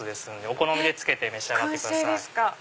お好みでつけて召し上がってください。